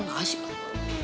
nggak asik abah